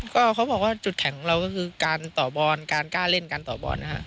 ก็เขาบอกว่าจุดแข็งของเราก็คือการต่อบอลการกล้าเล่นการต่อบอลนะครับ